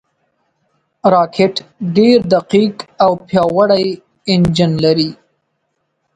راکټ ډېر دقیق او پیاوړی انجن لري